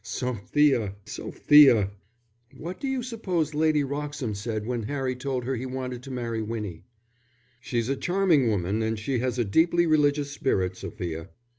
"Sophia, Sophia!" "What do you suppose Lady Wroxham said when Harry told her he wanted to marry Winnie?" "She's a charming woman and she has a deeply religious spirit, Sophia."